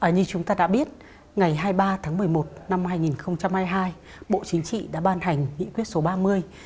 như chúng ta đã biết ngày hai mươi ba tháng một mươi một năm hai nghìn hai mươi hai bộ chính trị đã ban hành nghị quyết số ba mươi